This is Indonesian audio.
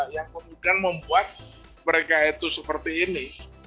yang kemudian membuat mereka itu seperti ini